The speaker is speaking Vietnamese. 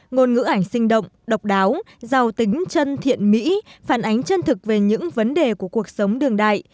ngôn ngữ ảnh sinh động độc đáo giàu tính chân thiện mỹ phản ánh chân thực về những vấn đề của cuộc sống đường đại